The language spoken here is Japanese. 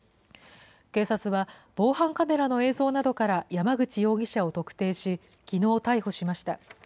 警察は、防犯カメラの映像などから山口容疑者を特定し、きのう逮捕しました。